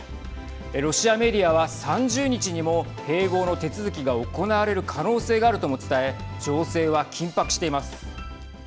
ロシアメディアは３０日にも併合の手続きが行われる可能性があるとも伝え情勢は緊迫しています。